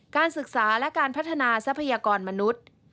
การศึกษาและการพัฒนาทรัพยากรมนุษย์